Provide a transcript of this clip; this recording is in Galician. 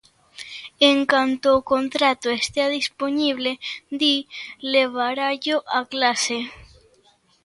En canto o contrato estea dispoñible, di, levarallo á clase.